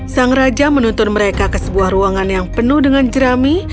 sang raja menuntun mereka ke sebuah ruangan yang penuh dengan jerami